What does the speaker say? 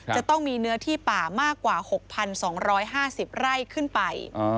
จะต้องมีเนื้อที่ป่ามากกว่า๖๒๕๐ไร่ขึ้นไป